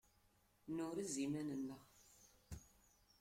Nurez iman-nneɣ.